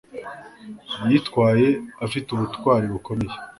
Yitwaye afite ubutwari bukomeye